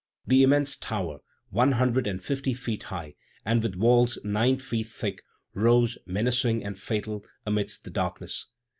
The immense tower, one hundred and fifty feet high, and with walls nine feet thick, rose, menacing and fatal, amidst the darkness.